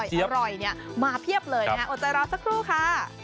อร่อยมาเพียบเลยโอดใจรอสักครู่ค่ะ